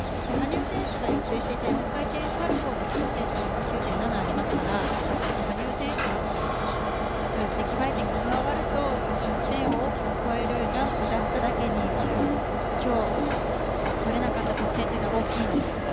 羽生選手が予定していた、４回転サルコーの基礎点というのは、９．７ありますから、そこに羽生選手の質、出来栄え点が加わると、１０点を大きく超えるジャンプだっただけに、きょう取れなかった得点というのは大きいんです。